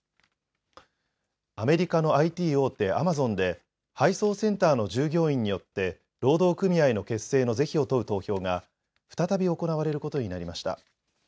アメリカのＩＴ大手、アマゾンで、配送センターの従業員によって、労働組合の結成の是非を問う投票が再び行われることになりました。